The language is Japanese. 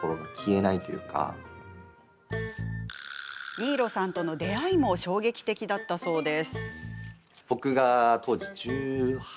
新納さんとの出会いも衝撃的だったそうです。